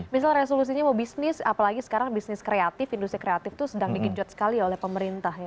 misalnya resolusinya mau bisnis apalagi sekarang bisnis kreatif industri kreatif itu sedang digenjot sekali oleh pemerintah